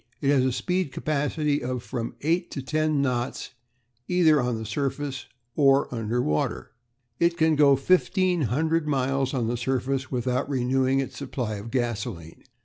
It has a speed capacity of from eight to ten knots either on the surface or under water. "It can go 1500 miles on the surface without renewing its supply of gasolene.